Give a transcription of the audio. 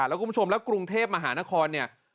แล้วคุณผู้ชมกรุงเทพฯมหานคร